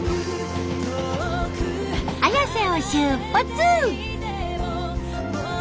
綾瀬を出発！